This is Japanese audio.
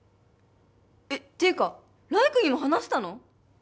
えっていうか来玖にも話したの？